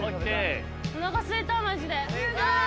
おなかすいたマジで。